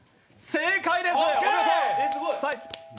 正解です！